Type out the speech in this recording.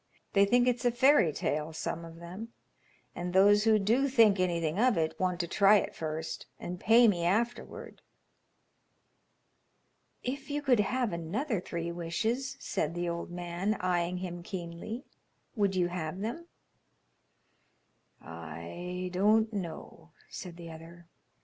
They think it's a fairy tale; some of them, and those who do think anything of it want to try it first and pay me afterward." "If you could have another three wishes," said the old man, eyeing him keenly, "would you have them?" "I don't know," said the other.